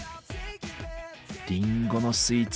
りんごのスイーツ